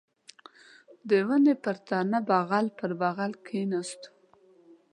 د ونې پر تنه بغل پر بغل کښېناستو.